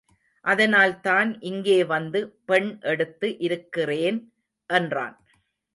அதனால்தான் இங்கே வந்து பெண் எடுத்து இருக்கிறேன் என்றான்.